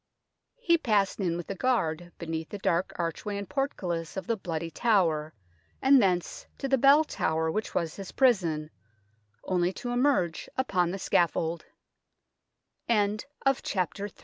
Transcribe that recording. He passed in with the guard beneath the dark archway and portcullis of the Bloody Tower, and thence to the Bell Tower which was his prison, only to emerge upon the s